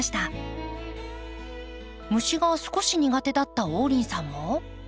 虫が少し苦手だった王林さんも。